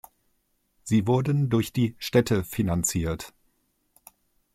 Sie wurden durch die Städte finanziert.